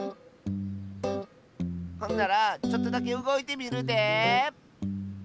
ほんならちょっとだけうごいてみるで！